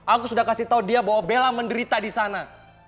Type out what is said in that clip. aku sudah kasih tau dia bahwa bella menderita disana